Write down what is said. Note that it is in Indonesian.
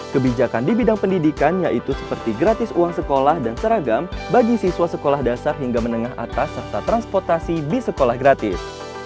kebijakan di bidang pendidikan yaitu seperti gratis uang sekolah dan seragam bagi siswa sekolah dasar hingga menengah atas serta transportasi di sekolah gratis